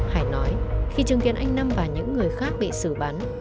hải nói khi chứng kiến anh nam và những người khác bị xử bắn